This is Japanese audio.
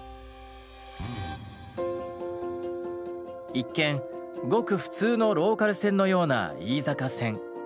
一見ごく普通のローカル線のような飯坂線。